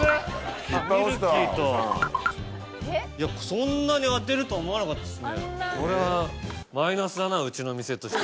そんなに当てると思わなかったですね。